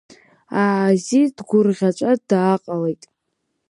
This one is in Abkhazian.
Аазиз дгәырӷьаҵәа дааҟалеит…